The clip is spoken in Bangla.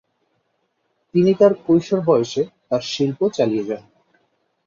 তিনি তার কৈশোর বয়সে তার শিল্প চালিয়ে যান।